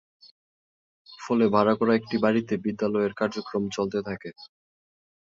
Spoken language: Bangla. ফলে ভাড়া করা একটি বাড়িতে বিদ্যালয়ের কার্যক্রম চলতে থাকে।